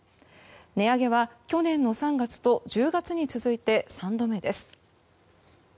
値上げは去年の３月と１０月に続いて３度目です。